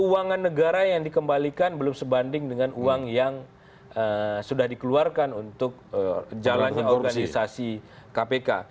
keuangan negara yang dikembalikan belum sebanding dengan uang yang sudah dikeluarkan untuk jalannya organisasi kpk